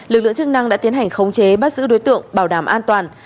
lực lượng chức năng đã tiến hành khống chế bắt giữ đối tượng bảo đảm an toàn